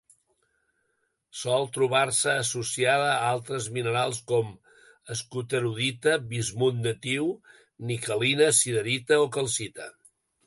Sol trobar-se associada a altres minerals com: skutterudita, bismut natiu, niquelina, siderita o calcita.